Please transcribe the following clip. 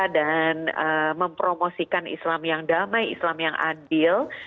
dan mempromosikan islam yang damai islam yang adil